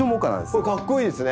これかっこいいですね！